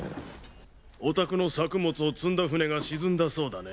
お宅の作物を積んだ船が沈んだそうだね。